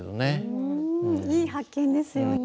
うんいい発見ですよね。